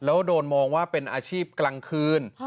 แล้วโดนมองว่าเป็นอาชีพกลางคืน